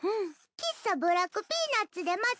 喫茶ブラック・ピーナッツで待つ。